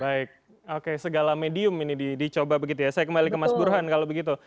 baik oke segala medium ini dicoba begitu ya saya kembali ke mas burhan kalau begitu